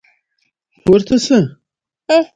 د افغانستان جغرافیه کې سیلانی ځایونه ستر اهمیت لري.